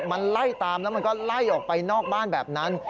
มันไล่ตามแล้วมันก็ไล่ออกไปนอกบ้านแบบนั้น